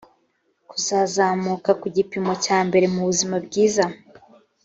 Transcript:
kuzazamuka ku gipimo cya mbere mubuzima bwiza